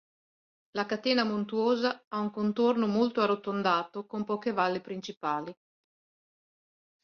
La catena montuosa ha un contorno molto arrotondato con poche valli principali.